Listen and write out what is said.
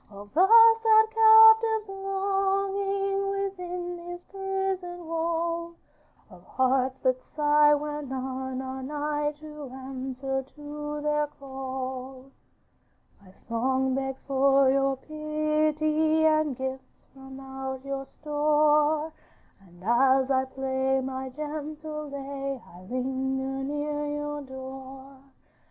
'Of the sad captive's longing Within his prison wall, Of hearts that sigh when none are nigh To answer to their call. 'My song begs for your pity, And gifts from out your store, And as I play my gentle lay I linger near your door.